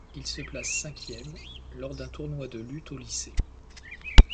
Il se place cinquième lors d'un tournoi de lutte au lycée.